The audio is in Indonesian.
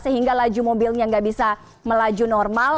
sehingga laju mobilnya nggak bisa melaju normal